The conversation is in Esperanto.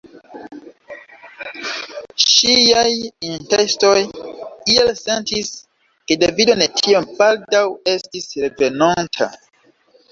Ŝiaj intestoj iel sentis, ke Davido ne tiom baldaŭ estis revenonta.